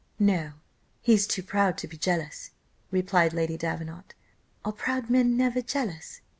"No: he's too proud to be jealous," replied Lady Davenant. Are proud men never jealous?